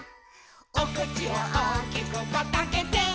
「おくちをおおきくパッとあけて」